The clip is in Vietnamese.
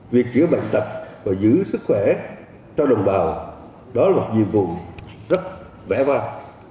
việc giữ bệnh tật và giữ sức khỏe cho đồng bào đó là một nhiệm vụ rất vẻ vang